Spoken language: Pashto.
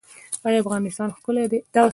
آیا افغانستان ښکلی دی؟